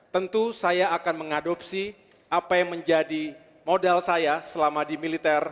tentu saya akan mengadopsi apa yang menjadi modal saya selama di militer